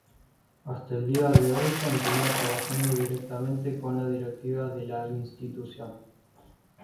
Hasta el día de hoy continua trabajando directamente con la directiva de la institución.